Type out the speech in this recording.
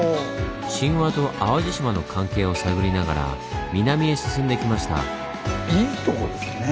神話と淡路島の関係を探りながら南へ進んできました。